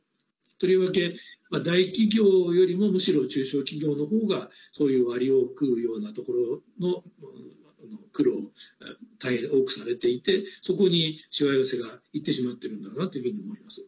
とりわけ大企業よりもむしろ中小企業の方がそういう割りを食うようなところの苦労を大変多くされていてそこに、しわ寄せがいってしまっているのかなというふうに思います。